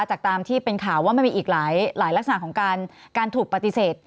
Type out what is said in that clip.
ตามที่เป็นข่าวว่ามันมีอีกหลายลักษณะของการถูกปฏิเสธ